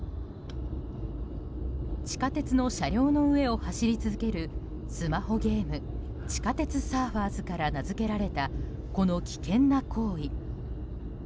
地下鉄の車両の上を走り続けるスマホゲーム「地下鉄サーファーズ」から名付けられたこの危険な行為。